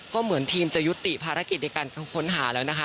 ก็เหมือนทีมจะยุติภารกิจในการค้นหาแล้วนะคะ